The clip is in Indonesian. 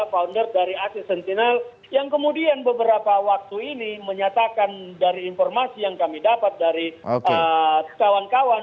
founder dari asis sentinel yang kemudian beberapa waktu ini menyatakan dari informasi yang kami dapat dari kawan kawan